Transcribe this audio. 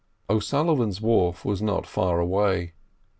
O'Sullivan's Wharf was not far away.